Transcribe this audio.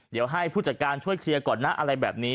เดี๋ยวให้ผู้จัดการช่วยเคลียร์ก่อนนะอะไรแบบนี้